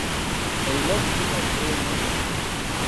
Erina omutima ogwewuuba.